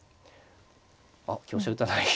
あっ香車打たない。